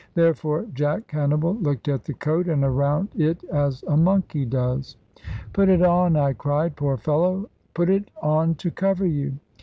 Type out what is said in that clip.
Therefore Jack Cannibal looked at the coat, and around it, as a monkey does. "Put it on," I cried; "poor fellow! put it on to cover you."